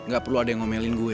gak perlu ada yang ngomelin gue